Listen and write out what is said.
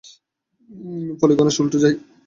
ফলে গণেশ উল্টে যায়।